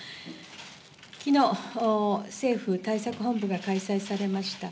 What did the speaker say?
昨日、政府対策本部が開催されました。